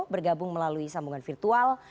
bergabung melalui sambungan virtual